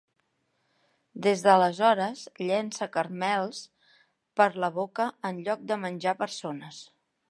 Des d'aleshores llença caramels per la boca en lloc de menjar persones.